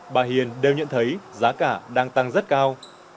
bà hiền đều nhận thấy giá cả đang tăng rất cao